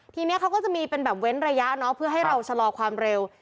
ทีนี้เขาก็จะมีเป็นแบบเว้นระยะเนาะเพื่อให้เราชะลอความเร็ว